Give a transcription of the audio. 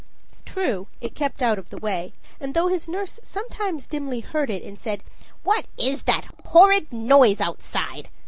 True, it kept out of the way; and though his nurse sometimes dimly heard it, and said "What is that horrid noise outside?"